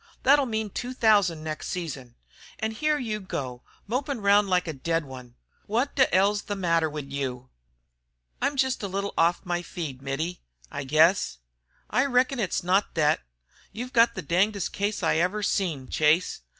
Thet 'll mean two thousand next season. An' here you go mopin' round like a dead one. Wot t' 'll's the matter wid you?" "I'm just a little off my feed, Mittie, I guess." "I reckon it's not thet. You've got the dingest case I ever seen, Chase.